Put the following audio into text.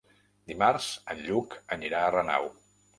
Dimarts en Lluc anirà a Renau.